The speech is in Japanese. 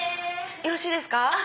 よろしいですか？